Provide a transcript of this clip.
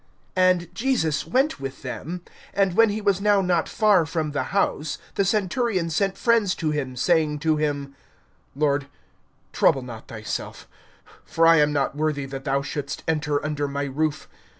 (6)And Jesus went with them. And when he was now not far from the house, the centurion sent friends to him, saying to him: Lord, trouble not thyself; for I am not worthy that thou shouldst enter under my roof.